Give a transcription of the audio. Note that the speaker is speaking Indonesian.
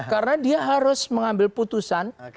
karena dia harus mengambil putusan